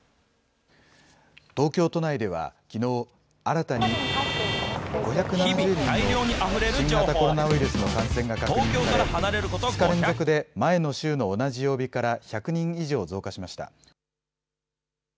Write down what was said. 東京都内ではきのう、新たに５７０人の新型コロナウイルスの感染が確認され、２日連続で前の週の同じ曜日から１００人以上増加しました。